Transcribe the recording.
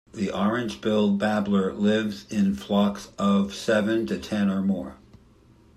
The orange-billed babbler lives in flocks of seven to ten or more.